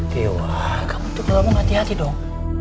dewa kamu tuh kalau mau hati hati dong